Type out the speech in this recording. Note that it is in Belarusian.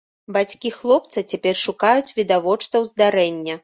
Бацькі хлопца цяпер шукаюць відавочцаў здарэння.